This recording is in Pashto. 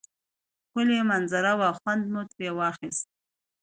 ښکلی منظره وه خوند مو تری واخیست